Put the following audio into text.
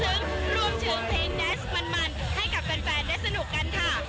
ซึ่งรวมถึงเพลงแนสมันให้กับแฟนได้สนุกกันค่ะ